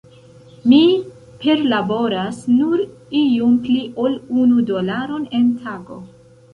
Mi perlaboras nur iom pli ol unu dolaron en tago.